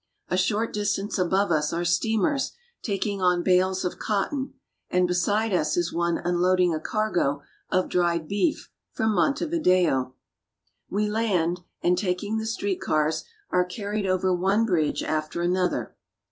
A short distance above us are steamers taking on bales of cotton, and beside us is one unloading a cargo of dried beef from Montevideo. We land, and, taking the street cars, are carried over one bridge after another.